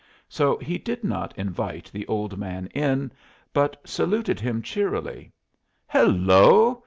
So he did not invite the old man in, but saluted him cheerily: "Hello!